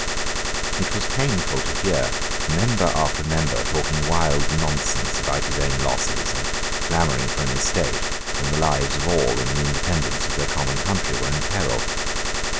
It was painful to hear member after member talking wild nonsense about his own losses, and clamouring for an estate, when the lives of all and the independence of their common country were in peril.